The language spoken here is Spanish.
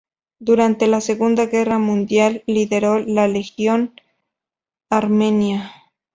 Durante la Segunda Guerra mundial, lideró la Legión Armenia.